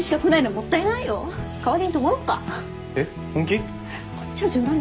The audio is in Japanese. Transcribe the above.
こっちは冗談でしょ？